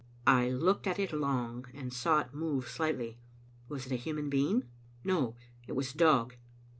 I looked at it long, and saw it move slightly. Was it a human being? No, it was a dog.